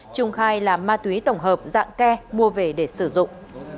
trung khai là ma túy tổng hợp dạng ke mua về để sử dụng